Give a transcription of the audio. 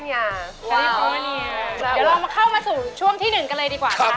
เดี๋ยวเรามาเข้ามาสู่ช่วงที่๑กันเลยดีกว่าค่ะ